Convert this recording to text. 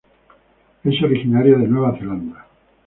Es originaria de Nueva Zelanda.